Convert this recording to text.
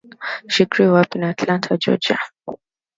She grew up in Atlanta, Georgia.